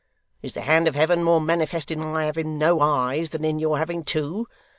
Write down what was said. Is the hand of Heaven more manifest in my having no eyes, than in your having two?